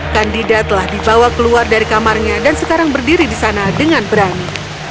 kandida telah dibawa keluar dari kamarnya dan sekarang berdiri di sana dengan berani